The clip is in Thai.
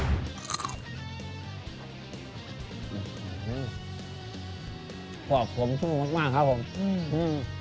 อืมควบคลมช่วยมากมากครับผมอืม